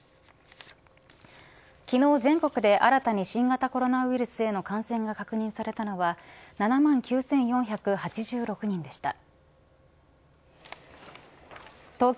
昨日、全国で新たに新型コロナウイルスへの感染が確認されたのは７万９４８６人でした。